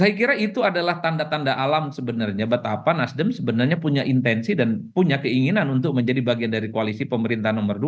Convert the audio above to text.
saya kira itu adalah tanda tanda alam sebenarnya betapa nasdem sebenarnya punya intensi dan punya keinginan untuk menjadi bagian dari koalisi pemerintahan nomor dua